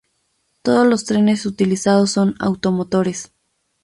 Todos los trenes utilizados son automotores.